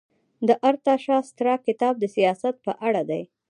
د ارتاشاسترا کتاب د سیاست په اړه دی.